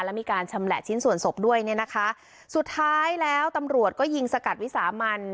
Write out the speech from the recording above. แล้วมีการชำแหละชิ้นส่วนศพด้วยเนี่ยนะคะสุดท้ายแล้วตำรวจก็ยิงสกัดวิสามัน